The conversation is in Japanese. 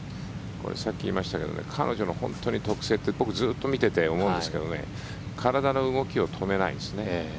さっき言いましたが彼女の特性って僕、ずっと見ていて思うんですが体の動きを止めないんですね。